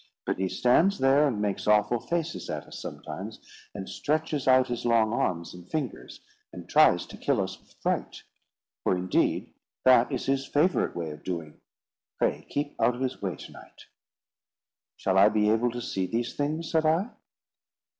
But he stands there and makes awful faces at us sometimes, and stretches out his long arms and fingers, and tries to kill us with fright; for, indeed, that is his favourite way of doing. Pray, keep out of his way to night." "Shall I be able to see these things?" said I.